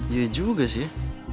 iya juga sih ya